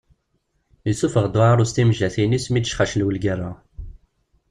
Yessuffeɣ-d uɛarus timejjatin-is mi d-tecxaclew lgerra.